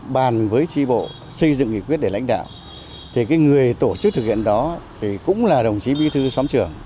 bàn với tri bộ xây dựng nghị quyết để lãnh đạo thì người tổ chức thực hiện đó thì cũng là đồng chí bi thư xóm trưởng